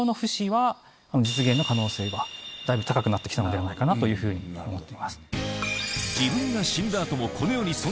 実現の可能性はだいぶ高くなって来たのではないかなというふうに思っています。